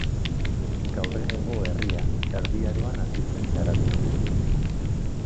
Gaur egungo herria Erdi Aroan hasi zen garatzen.